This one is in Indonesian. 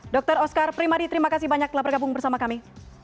dr oscar primadi terima kasih banyak telah bergabung bersama kami